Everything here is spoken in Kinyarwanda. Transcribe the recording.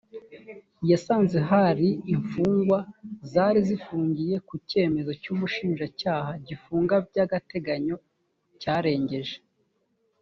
yasanze hari imfungwa zari zifungiye ku cyemezo cy umushinjacyaha gifunga bya agateganyo cyarengeje